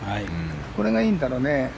これがいいんだろうね。